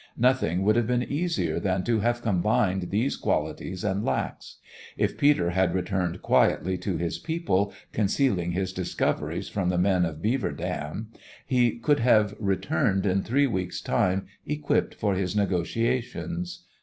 Nothing would have been easier than to have combined these qualities and lacks. If Peter had returned quietly to his people, concealing his discoveries from the men of Beaver Dam, he could have returned in three weeks' time equipped for his negotiations.